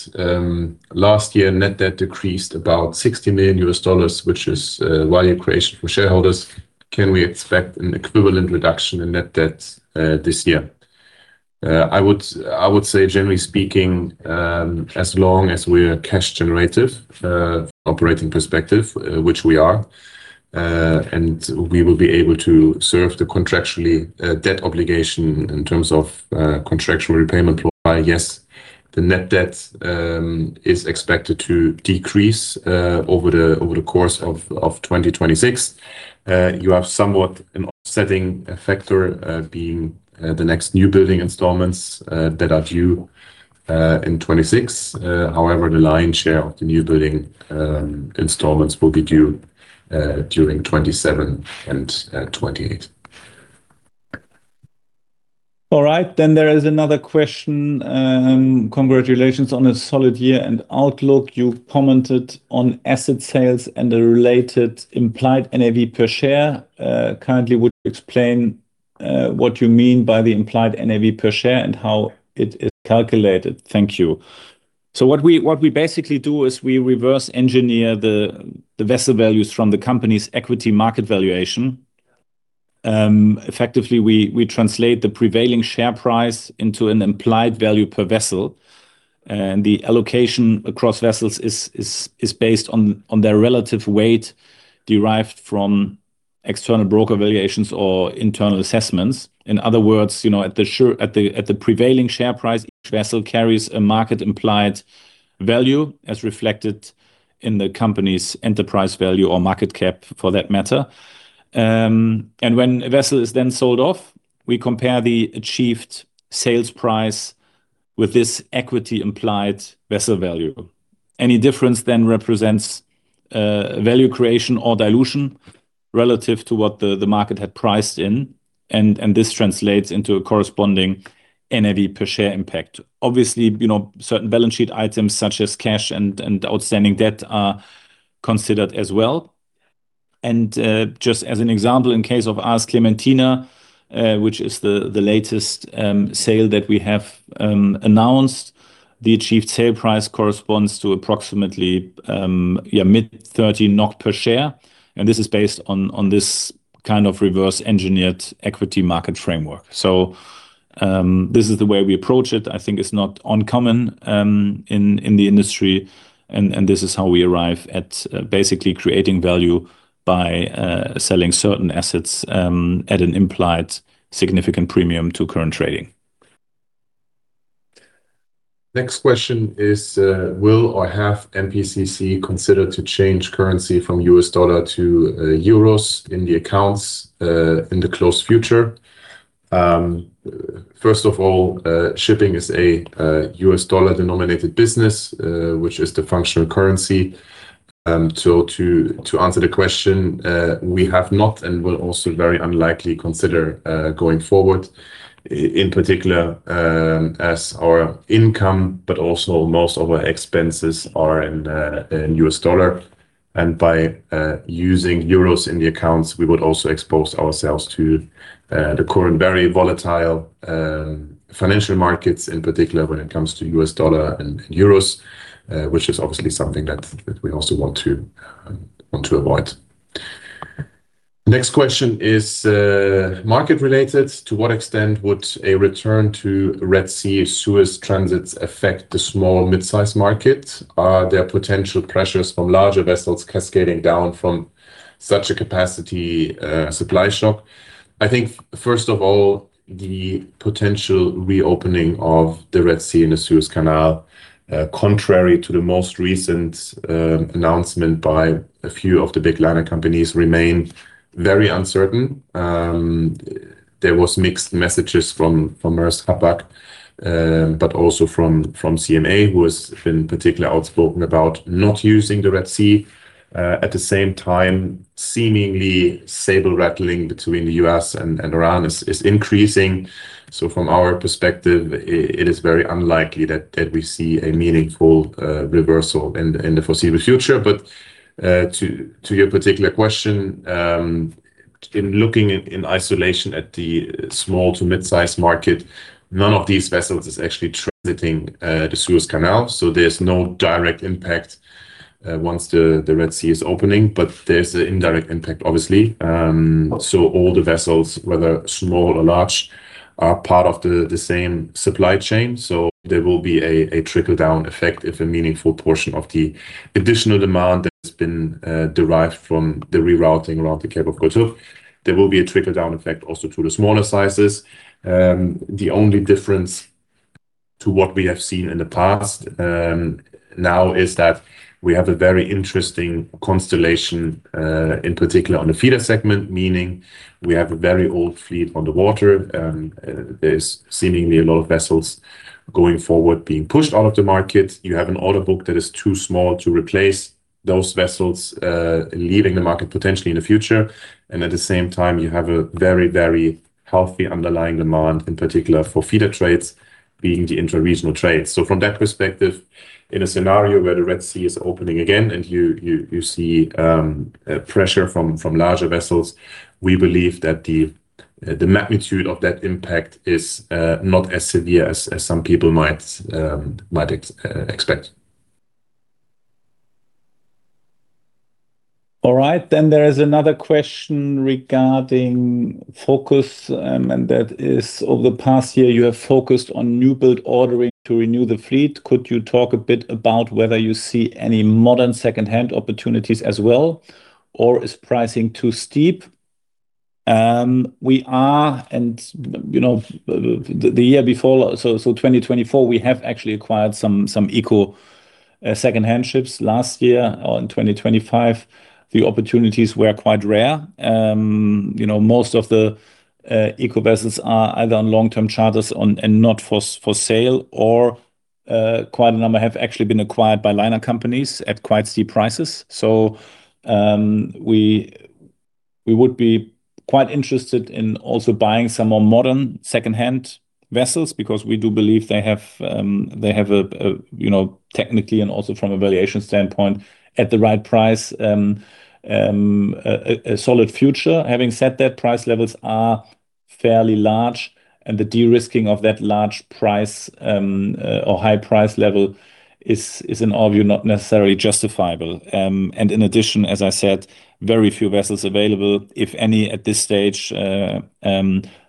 Last year, Net Debt decreased about $60 million, which is value creation for shareholders. Can we expect an equivalent reduction in Net Debt this year? I would say, generally speaking, as long as we're cash generative from operating perspective, which we are, and we will be able to serve the contractually debt obligation in terms of contractual repayment plan. Yes, the Net Debt is expected to decrease over the course of 2026. You have somewhat an offsetting factor, being the next new building installments that are due in 2026. However, the lion's share of the new building installments will be due during 2027 and 2028. All right, there is another question. Congratulations on a solid year and outlook. You commented on asset sales and the related implied NAV per share. Currently, would you explain what you mean by the implied NAV per share and how it is calculated? Thank you. What we basically do is we reverse engineer the vessel values from the company's equity market valuation. Effectively, we translate the prevailing share price into an implied value per vessel, and the allocation across vessels is based on their relative weight, derived from external broker valuations or internal assessments. In other words, you know, at the prevailing share price, each vessel carries a market-implied value, as reflected in the company's enterprise value or market cap, for that matter. When a vessel is then sold off, we compare the achieved sales price with this equity-implied vessel value. Any difference then represents value creation or dilution relative to what the market had priced in, and this translates into a corresponding NAV per share impact. Obviously, you know, certain balance sheet items such as cash and outstanding debt are considered as well. Just as an example, in case of AS Clementina, which is the latest sale that we have announced, the achieved sale price corresponds to approximately, mid 13 NOK per share, and this is based on this kind of reverse-engineered equity market framework. This is the way we approach it. I think it's not uncommon, in the industry, and this is how we arrive at, basically creating value by, selling certain assets, at an implied significant premium to current trading. Next question is: Will or have MPCC consider to change currency from US dollar to euros in the accounts in the close future? First of all, shipping is a US dollar-denominated business, which is the functional currency. So to answer the question, we have not and will also very unlikely consider going forward, in particular, as our income, but also most of our expenses are in US dollar. By using euros in the accounts, we would also expose ourselves to the current very volatile financial markets, in particular, when it comes to US dollar and euros, which is obviously something that we also want to avoid. Next question is market related: To what extent would a return to Red Sea-Suez transits affect the small mid-size market? Are there potential pressures from larger vessels cascading down from such a capacity supply shock? I think, first of all, the potential reopening of the Red Sea and the Suez Canal, contrary to the most recent announcement by a few of the big liner companies, remain very uncertain. There was mixed messages from Maersk Hapag, but also from CMA, who has been particularly outspoken about not using the Red Sea. At the same time, seemingly, saber-rattling between the U.S. and Iran is increasing. From our perspective, it is very unlikely that we see a meaningful reversal in the foreseeable future. To your particular question, in looking in isolation at the small to mid-size market, none of these vessels is actually transiting the Suez Canal, so there's no direct impact once the Red Sea is opening. There's an indirect impact, obviously. All the vessels, whether small or large, are part of the same supply chain, so there will be a trickle-down effect if a meaningful portion of the additional demand that has been derived from the rerouting around the Cape of Good Hope. There will be a trickle-down effect also to the smaller sizes. The only difference to what we have seen in the past now is that we have a very interesting constellation in particular on the feeder segment, meaning we have a very old fleet on the water. There's seemingly a lot of vessels going forward, being pushed out of the market. You have an order book that is too small to replace those vessels, leaving the market potentially in the future. At the same time, you have a very, very healthy underlying demand, in particular for feeder trades, being the intra-regional trades. From that perspective, in a scenario where the Red Sea is opening again, and you, you see pressure from larger vessels, we believe that the magnitude of that impact is not as severe as some people might expect. All right, there is another question regarding focus, and that is: "Over the past year, you have focused on new build ordering to renew the fleet. Could you talk a bit about whether you see any modern second-hand opportunities as well, or is pricing too steep?" We are, and, you know, the year before, so 2024, we have actually acquired some eco second-hand ships last year. In 2025, the opportunities were quite rare. You know, most of the eco vessels are either on long-term charters and not for sale, or quite a number have actually been acquired by liner companies at quite steep prices. We would be quite interested in also buying some more modern second-hand vessels, because we do believe they have, you know, technically, and also from a valuation standpoint, at the right price, a solid future. Having said that, price levels are fairly large, and the de-risking of that large price, or high price level is, in our view, not necessarily justifiable. In addition, as I said, very few vessels available, if any, at this stage.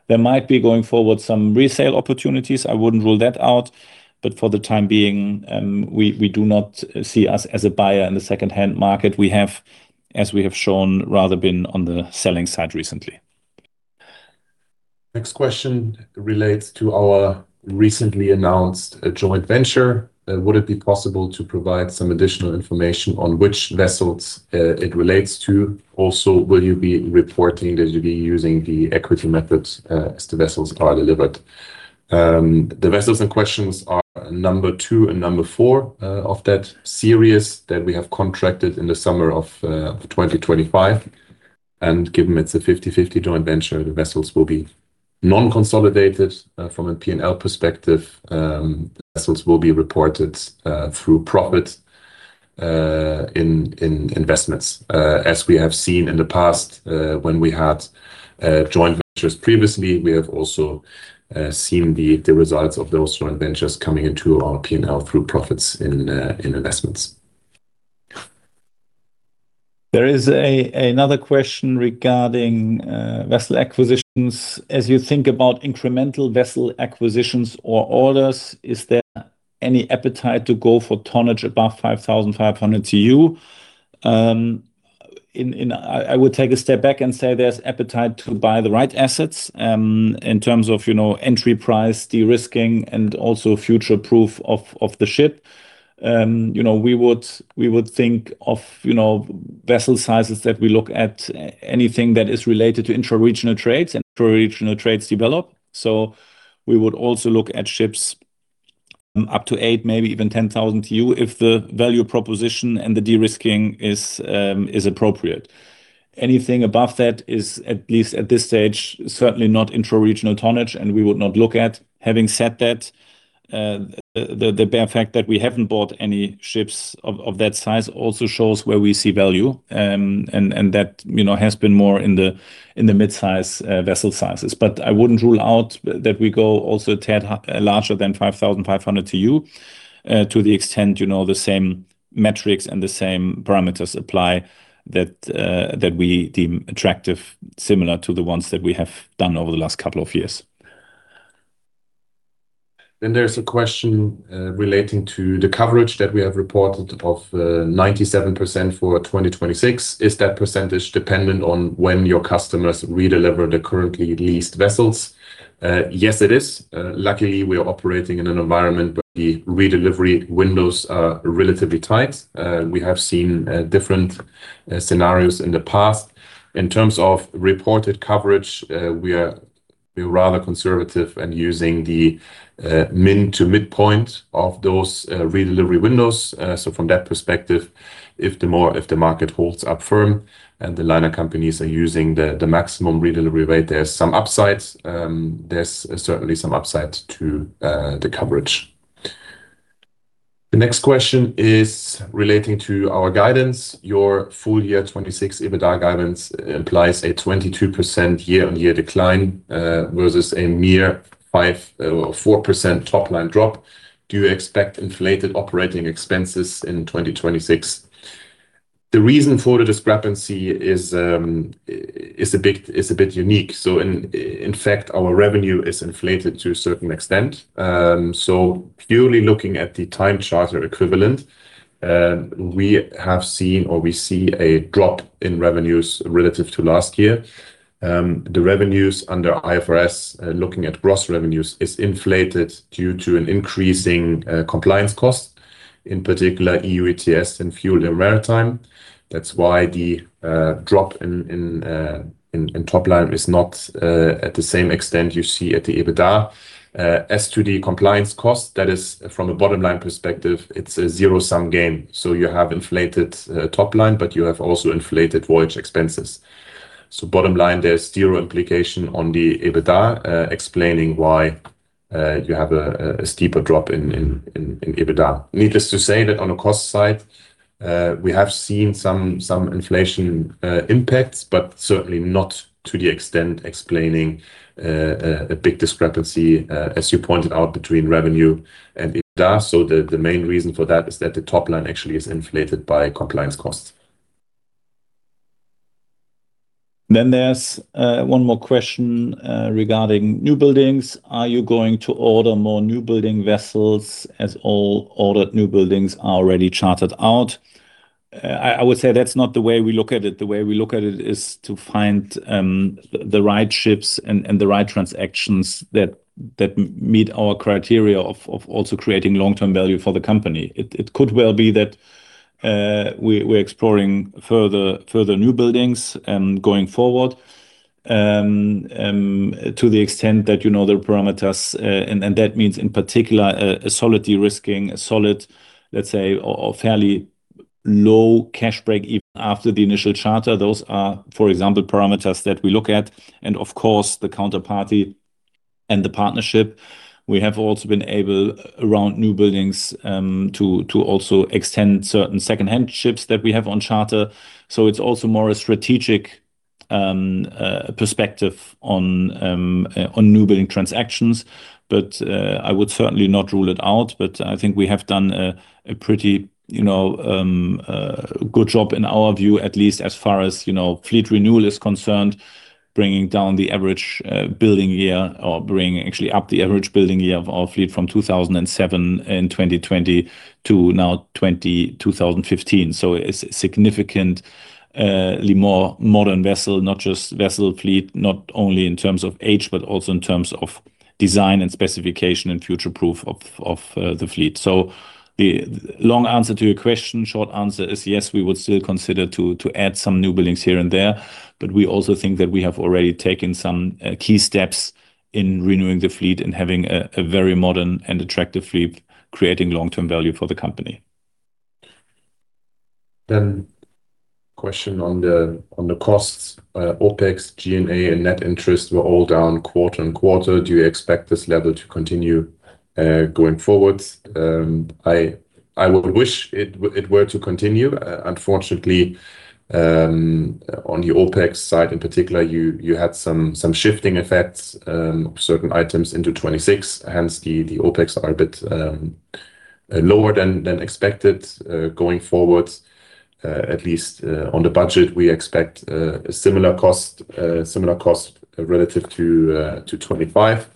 There might be, going forward, some resale opportunities. I wouldn't rule that out. For the time being, we do not see us as a buyer in the second-hand market. We have, as we have shown, rather been on the selling side recently. Next question relates to our recently announced joint venture. "Would it be possible to provide some additional information on which vessels it relates to? Also, will you be reporting that you'll be using the equity method as the vessels are delivered?" The vessels in question are number two and number four of that series that we have contracted in the summer of 2025. Given it's a 50/50 joint venture, the vessels will be non-consolidated from a P&L perspective. Vessels will be reported through profit in investments. As we have seen in the past, when we had joint ventures previously, we have also seen the results of those joint ventures coming into our P&L through profits in investments. There is another question regarding vessel acquisitions: "As you think about incremental vessel acquisitions or orders, is there any appetite to go for tonnage above 5,500 TEU?" I would take a step back and say there's appetite to buy the right assets, in terms of, you know, entry price, de-risking, and also future proof of the ship. You know, we would think of, you know, vessel sizes that we look at anything that is related to intra-regional trades and intra-regional trades develop. We would also look at ships up to eight, maybe even 10,000 TEU, if the value proposition and the de-risking is appropriate. Anything above that is, at least at this stage, certainly not intra-regional tonnage, and we would not look at. Having said that, the bare fact that we haven't bought any ships of that size also shows where we see value. And that, you know, has been more in the, in the mid-size, vessel sizes. But I wouldn't rule out that we go also a tad larger than 5,500 TEU, to the extent, you know, the same metrics and the same parameters apply that we deem attractive, similar to the ones that we have done over the last couple of years. There's a question relating to the coverage that we have reported of 97% for 2026. "Is that percentage dependent on when your customers redeliver the currently leased vessels?" Yes, it is. Luckily, we are operating in an environment where the redelivery windows are relatively tight. We have seen different scenarios in the past. In terms of reported coverage, we are rather conservative and using the min to midpoint of those redelivery windows. From that perspective, if the market holds up firm and the liner companies are using the maximum redelivery rate, there's some upsides. There's certainly some upside to the coverage. The next question is relating to our guidance. Your full year 2026 EBITDA guidance implies a 22% year-on-year decline, versus a mere 5% or 4% top-line drop. Do you expect inflated operating expenses in 2026? The reason for the discrepancy is a bit unique. In fact, our revenue is inflated to a certain extent. Purely looking at the Time Charter Equivalent, we have seen or we see a drop in revenues relative to last year. The revenues under IFRS, looking at gross revenues, is inflated due to an increasing compliance cost, in particular, EU ETS and FuelEU Maritime. That's why the drop in top line is not at the same extent you see at the EBITDA. As to the compliance cost, that is, from a bottom-line perspective, it's a zero-sum game. You have inflated top line, but you have also inflated voyage expenses. Bottom line, there's zero implication on the EBITDA, explaining why you have a steeper drop in EBITDA. Needless to say, that on a cost side, we have seen some inflation impacts, but certainly not to the extent explaining a big discrepancy, as you pointed out, between revenue and EBITDA. The main reason for that is that the top line actually is inflated by compliance costs. There's one more question regarding new buildings. Are you going to order more new building vessels, as all ordered new buildings are already chartered out? I would say that's not the way we look at it. The way we look at it is to find the right ships and the right transactions that meet our criteria of also creating long-term value for the company. It could well be that we're exploring further new buildings going forward. To the extent that, you know, the parameters, and that means, in particular, a solid de-risking, a solid, let's say, or fairly low cash break even after the initial charter. Those are, for example, parameters that we look at, and of course, the counterparty and the partnership. We have also been able, around new buildings, to also extend certain second-hand ships that we have on charter. It's also more a strategic perspective on new building transactions. I would certainly not rule it out, but I think we have done a pretty, you know, good job in our view, at least as far as, you know, fleet renewal is concerned, bringing down the average building year or bringing actually up the average building year of our fleet from 2007 and 2020 to now 2015. It's significantly more modern vessel fleet, not only in terms of age, but also in terms of design and specification and future-proof of the fleet. The long answer to your question, short answer is, yes, we would still consider to add some new buildings here and there. We also think that we have already taken some key steps in renewing the fleet and having a very modern and attractive fleet, creating long-term value for the company. Question on the, on the costs, OpEx, G&A, and net interest were all down quarter on quarter. Do you expect this level to continue going forward? I would wish it were to continue. Unfortunately, on the OpEx side, in particular, you had some shifting effects of certain items into 2026. Hence, the OpEx are a bit lower than expected. Going forward, at least, on the budget, we expect a similar cost, similar cost relative to 2025.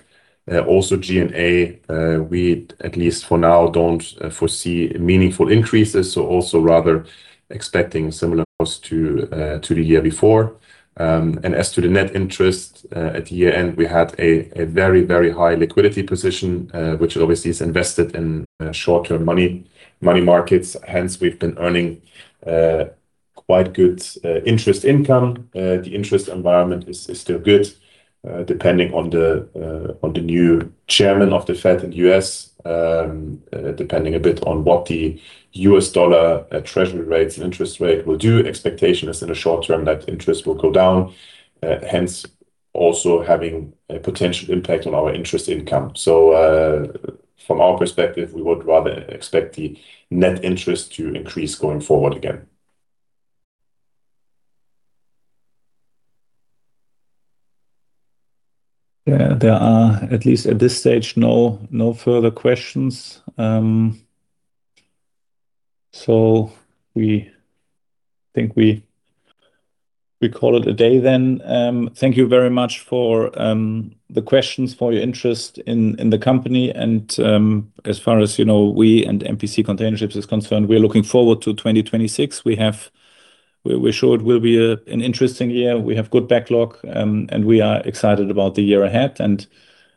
Also G&A, we, at least for now, don't foresee meaningful increases, so also rather expecting similar costs to the year before. As to the net interest, at the year-end, we had a very, very high liquidity position, which obviously is invested in short-term money markets. Hence, we've been earning quite good interest income. The interest environment is still good, depending on the new chairman of Federal Reserve in the US. Depending a bit on what the US dollar Treasury Rates and Interest Rate will do. Expectation is in the short term, that interest will go down, hence, also having a potential impact on our interest income. From our perspective, we would rather expect the net interest to increase going forward again. Yeah. There are, at least at this stage, no further questions. We think we call it a day then. Thank you very much for the questions, for your interest in the company. As far as you know, we and MPC Container Ships is concerned, we are looking forward to 2026. We're sure it will be an interesting year. We have good backlog, and we are excited about the year ahead.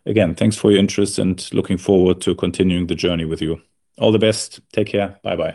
Again, thanks for your interest, and looking forward to continuing the journey with you. All the best. Take care. Bye-bye.